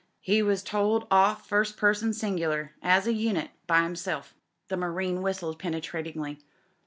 He was told off first person singular — as a unit — ^by himself." The marine whistled penetratingly.